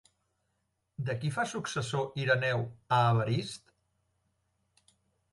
De qui fa successor Ireneu a Evarist?